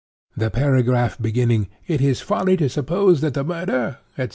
The paragraph beginning 'It is folly to suppose that the murder, etc.